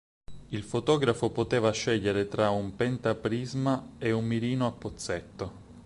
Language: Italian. Il fotografo poteva scegliere tra un pentaprisma e un mirino a pozzetto.